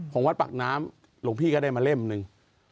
ของวัดปากน้ำหลวงพี่ก็ได้มาเล่มหนึ่ง